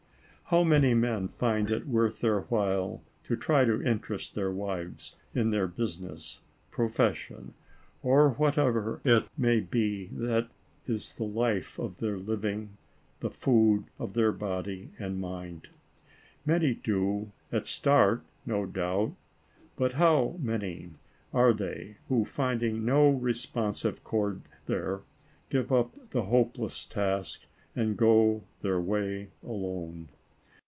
How many men find it worth their while to try to interest their wives in their business, profession, or what ever it may be that is the life of their living, the food of their body and mind ? Many do, at the start, no doubt, but how many are they, who, finding no responsive chord there, give up the hopeless task and go their way alone.